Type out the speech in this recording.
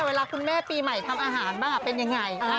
เวลาคุณแม่ปีใหม่ทำอาหารบ้างเป็นยังไง